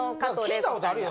聞いたことあるよ。